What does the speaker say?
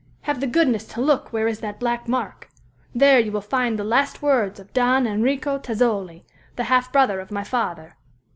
"Have the goodness to look where is that black mark. There you will find the last words of Don Enrico Tazzoli, the half brother of my father.